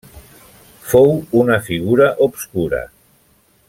Fou una figura obscura.